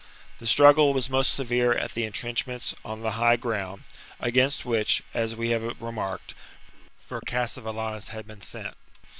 The struggle was most severe at the entrenchments on the high ground, against which, as we have remarked, Vercassivel launus had been sent.